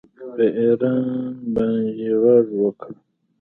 په ایران باندې غږ وکړ